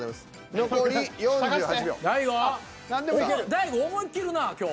大悟思い切るなぁ今日。